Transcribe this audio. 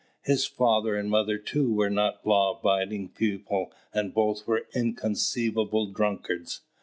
His father and mother too were not law abiding people, and both were inconceivable drunkards.